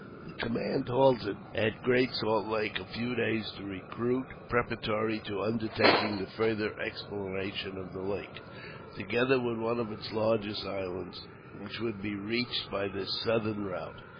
The command halted at Great Salt Lake a few days to recruit, preparatory to undertaking the further exploration of the lake, together with one of its largest islands, which would be reached by this southern route.